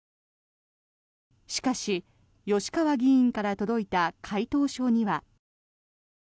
しかし、吉川議員から届いた回答書には。